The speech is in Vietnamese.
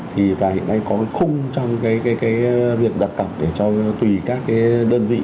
và hiện nay có cái khung trong cái việc đặt cọc để cho tùy các đơn vị